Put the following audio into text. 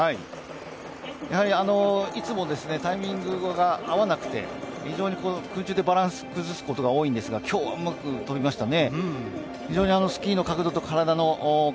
やはりいつもタイミングが合わなくて、非常に空中でバランスを崩すことが多いんですが今日はうまく飛びましたね。